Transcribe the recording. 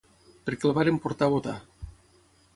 Perquè'l varen portar a votar